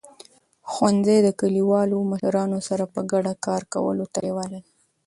ښوونځي د کلیوالو مشرانو سره په ګډه کار کولو ته لیواله دي.